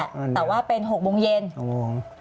นั่นได้นั่นได้แต่ว่าเป็น๖โมงเย็น๖โมง